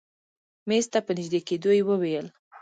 مېز ته په نژدې کېدو يې وويل.